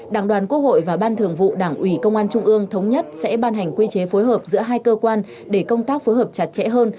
đảng đoàn quốc hội và ban thường vụ đảng ủy công an trung ương thống nhất sẽ ban hành quy chế phối hợp giữa hai cơ quan để công tác phối hợp chặt chẽ hơn